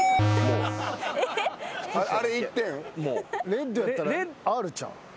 レッドやったらＲちゃうん？